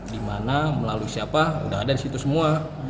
di mana melalui siapa sudah ada di situ semua